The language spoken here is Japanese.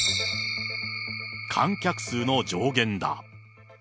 観客数の上限だ。